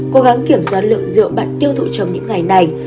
cố gắng kiểm soát lượng rượu bặt tiêu thụ trong những ngày này